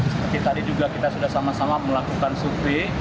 seperti tadi juga kita sudah sama sama melakukan survei